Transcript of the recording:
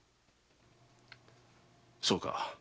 そうか。